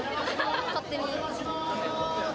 勝手に。